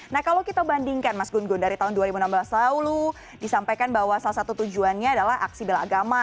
nah kalau kita bandingkan mas gun gun dari tahun dua ribu enam belas lalu disampaikan bahwa salah satu tujuannya adalah aksi bela agama